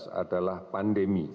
ini adalah satu kontak yang kita lakukan